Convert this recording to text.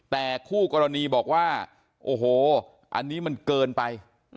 แต่คู่กรณีบอกว่าโอ้โหอันนี้มันเกินไป